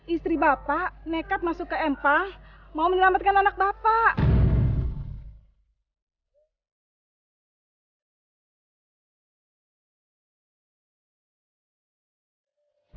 istri bapak nekat masuk ke empa mau menyelamatkan anak bapak